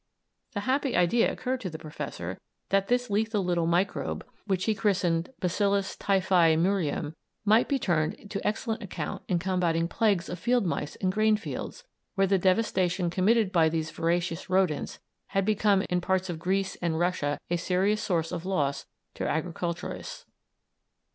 The happy idea occurred to the Professor that this lethal little microbe, which he christened Bacillus typhi murium, might be turned to excellent account in combating plagues of field mice in grain fields, where the devastation committed by these voracious rodents had become in parts of Greece and Russia a serious source of loss to agriculturists.